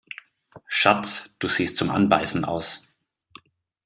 Schatz, du siehst zum Anbeißen aus!